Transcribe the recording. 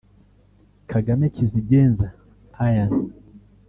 Kagame Kigenza Ian